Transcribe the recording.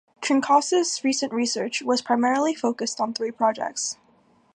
Trinkaus' recent research has primarily focused on three projects.